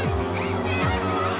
お願いします